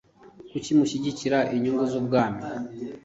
Kuki mushyigikira inyungu z’Ubwami?